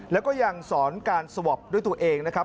แล้วก็ยังสอนการสวอปด้วยตัวเองนะครับ